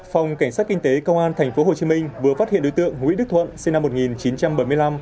phòng cảnh sát kinh tế công an tp hcm vừa phát hiện đối tượng nguyễn đức thuận sinh năm một nghìn chín trăm bảy mươi năm